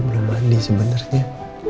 mama belum mandi sebenarnya